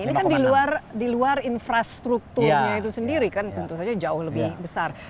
ini kan di luar infrastrukturnya itu sendiri kan tentu saja jauh lebih besar